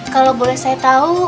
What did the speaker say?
kalo boleh saya tau